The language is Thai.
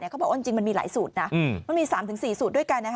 เขาบอกว่าจริงมันมีหลายสูตรนะมันมี๓๔สูตรด้วยกัน